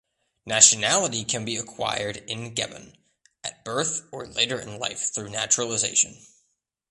Nationality can be acquired in Gabon at birth or later in life through naturalization.